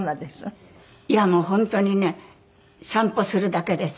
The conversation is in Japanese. いやもう本当にね散歩するだけです。